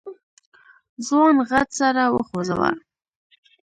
ځوان غټ سر وخوځوه.